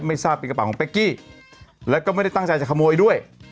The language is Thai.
ทราบเป็นกระเป๋าของเป๊กกี้แล้วก็ไม่ได้ตั้งใจจะขโมยด้วย